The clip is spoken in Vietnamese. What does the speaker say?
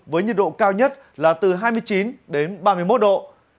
với nhiệt độ cao nhất là từ hai mươi chín đến ba mươi một độ